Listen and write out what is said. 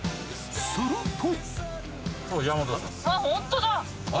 すると。